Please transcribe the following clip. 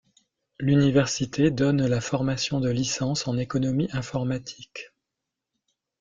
L'université donne la formation de Licence en économie informatique.